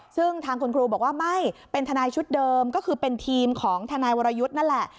ซึ่งทางคุณครูบอกว่าไม่เป็นทนายชุดเดิมก็คือเป็นทีมของทนายวรยุทธ์นั่นแหละ